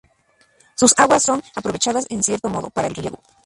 Sus aguas son aprovechadas, en cierto modo, para el riego.